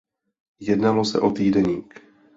Jednalo se o týdeník.